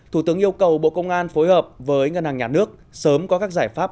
thủ tướng yêu cầu bộ công an phối hợp với ngân hàng nhà nước sớm có các giải pháp